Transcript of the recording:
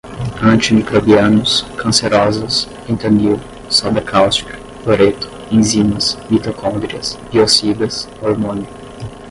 antimicrobianos, cancerosas, fentanil, soda cáustica, cloreto, enzimas, mitocôndrias, biocidas, hormônio